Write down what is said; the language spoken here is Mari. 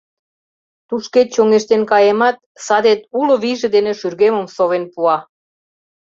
Тушкет чоҥештен каемат, садет уло вийже дене шӱргемым совен пуа.